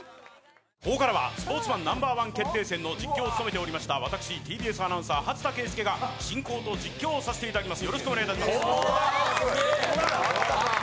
ここからは「スポーツマンＮｏ．１決定戦」の実況を務めていました私、ＴＢＳアナウンサー、初田啓介が実況を担当させていただきます。